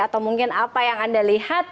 atau mungkin apa yang anda lihat